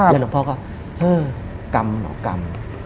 แล้วหลวงพ่อก็เฮ้ยกรรมเหรอกรรม